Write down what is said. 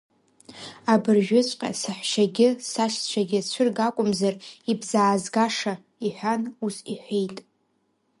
Абыржәыҵәҟьа саҳәшьагьы сашьцәагьы цәырга акәымзар, ибзаазгаша, — иҳәан ус иҳәеит.